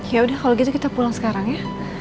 yaudah kalau gitu kita pulang sekarang ya